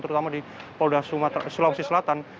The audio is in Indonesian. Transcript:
terutama di polda sulawesi selatan